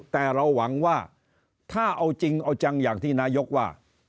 แต่เราหวังว่าถ้าเอาจริงเอาจังอย่างที่นายกว่า